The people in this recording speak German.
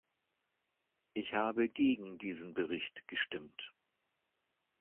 Ich habe gegen diesen Bericht gestimmt.